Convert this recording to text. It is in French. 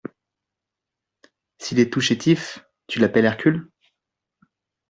S’il est tout chétif, tu l’appelles Hercule?